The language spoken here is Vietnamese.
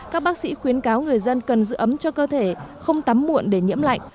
các bác sĩ khuyến cáo người dân cần giữ ấm cho cơ thể không tắm muộn để nhiễm lạnh